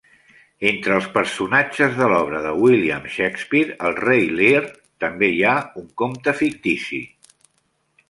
Entre els personatges de l'obra de William Shakespeare "El rei Lear" també hi ha un compte fictici.